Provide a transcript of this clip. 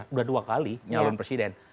sudah dua kali nyalon presiden